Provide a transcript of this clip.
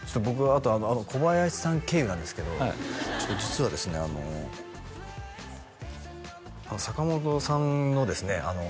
あと小林さん経由なんですけどちょっと実はですね坂本さんのですね